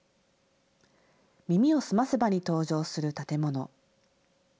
耳をすませばに登場する建物。